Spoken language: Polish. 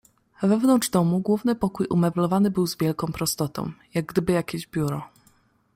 "Wewnątrz domu główny pokój umeblowany był z wielką prostotą, jak gdyby jakieś biuro."